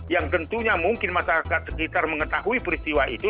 yang tentunya mungkin masyarakat sekitar mengetahui peristiwa itu